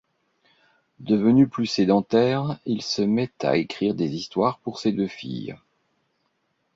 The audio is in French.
Devenu plus sédentaire, il se met à écrire des histoires pour ses deux filles.